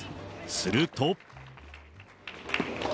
すると。